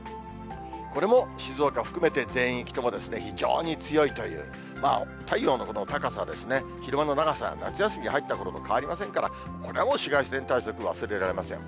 これも静岡を含めて全域とも非常に強いという、太陽のこの高さですね、昼間の長さ、夏休みに入ったころと変わりませんから、これはもう、紫外線対策、忘れられません。